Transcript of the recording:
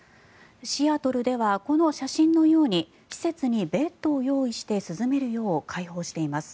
シアトルではこの写真のように施設にベッドを用意して涼めるよう開放しています。